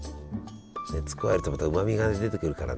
熱加えるとまたうまみが出てくるからね。